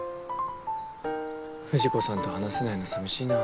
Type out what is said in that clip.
藤子さんと話せないの寂しいな。